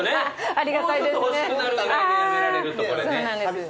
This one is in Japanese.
ありがたいですね。